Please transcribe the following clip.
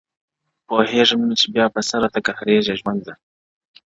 • پوهېږم نه چي بيا په څه راته قهريږي ژوند؛